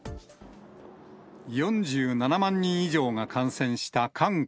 ４７万人以上が感染した韓国。